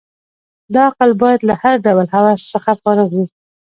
دا عقل باید له هر ډول هوس څخه فارغ وي.